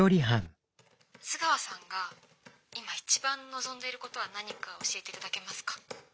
「須川さんが今一番望んでいることは何か教えて頂けますか？」。